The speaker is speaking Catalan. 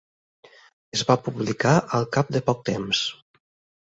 Es va publicar al cap de poc temps.